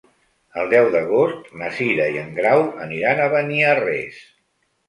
El deu d'agost na Cira i en Grau aniran a Beniarrés.